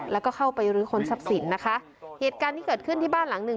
แล้วก็เข้าไปรื้อค้นทรัพย์สินนะคะเหตุการณ์ที่เกิดขึ้นที่บ้านหลังหนึ่ง